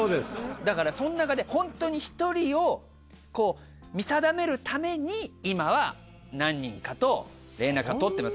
だからその中でホントに１人を見定めるために今は何人かと連絡は取ってます。